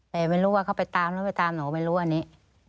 แต่ไม่รู้ว่าเขาไปตามหรือไม่ตามหนูไม่รู้อันนี้